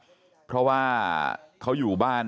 กระดิ่งเสียงเรียกว่าเด็กน้อยจุดประดิ่ง